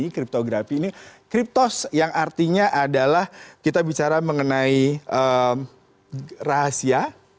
kriptografi ini kriptos yang artinya adalah kita bicara mengenai rahasia